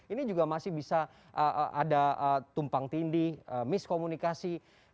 ini juga masih bisa ada tumpang tindih miskomunikasi